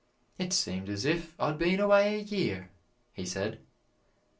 "It seemed as if I 'd been away a year," he said.